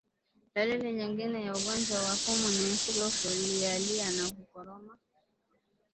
Dalili nyingine ya ugonjwa wa pumu ni mfugo kulialia na kukoroma